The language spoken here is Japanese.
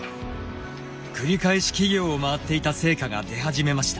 繰り返し企業を回っていた成果が出始めました。